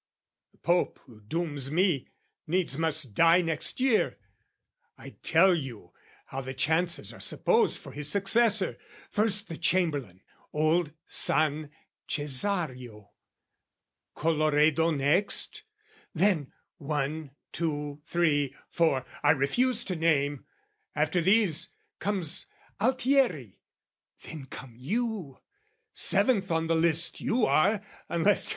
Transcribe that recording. The Pope who dooms me, needs must die next year; I'll tell you how the chances are supposed For his successor: first the Chamberlain, Old San Cesario, Colloredo, next, Then, one, two, three, four, I refuse to name, After these, comes Altieri; then come you Seventh on the list you are, unless...